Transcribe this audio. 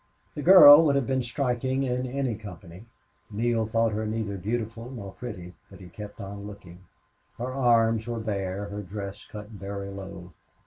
The girl would have been striking in any company. Neale thought her neither beautiful nor pretty, but he kept on looking. Her arms were bare, her dress cut very low.